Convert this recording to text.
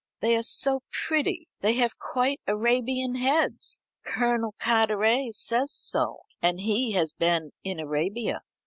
They are so pretty. They have quite Arabian heads. Colonel Carteret says so, and he has been in Arabia."